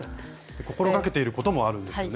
心がけていることもあるんですよね。